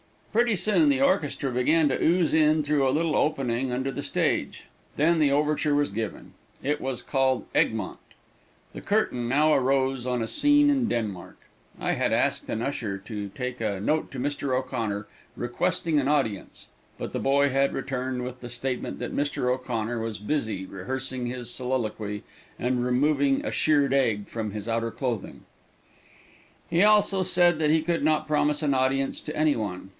Pretty soon the orchestra began to ooze in through a little opening under the stage. Then the overture was given. It was called "Egmont." The curtain now arose on a scene in Denmark. I had asked an usher to take a note to Mr. O'Connor requesting an audience, but the boy had returned with the statement that Mr. O'Connor was busy rehearsing his soliloquy and removing a shirred egg from his outer clothing. He also said he could not promise an audience to any one.